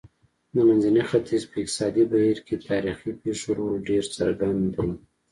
د منځني ختیځ په اقتصادي بهیر کې تاریخي پېښو رول ډېر څرګند دی.